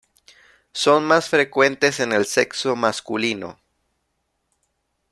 Son más frecuentes en el sexo masculino.